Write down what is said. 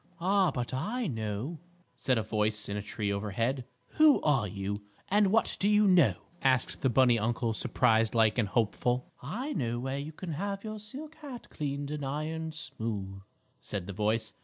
"Ah, but I know," said a voice in a tree overhead. "Who are you, and what do you know?" asked the bunny uncle, surprised like and hopeful. "I know where you can have your silk hat cleaned and ironed smooth," said the voice.